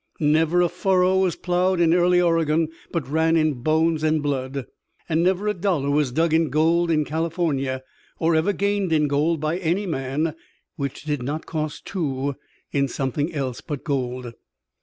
Never a furrow was plowed in early Oregon but ran in bones and blood; and never a dollar was dug in gold in California or ever gained in gold by any man which did not cost two in something else but gold.